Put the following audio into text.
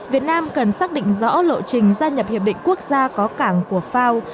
việt nam cần xác định rõ lộ trình gia nhập hiệp định quốc gia có cảng của fao